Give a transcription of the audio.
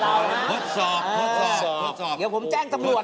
เดี๋ยวผมแจ้งจำลวดนะฮะแจ้งจำลวด